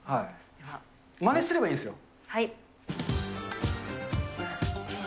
まねすればいいんですよ。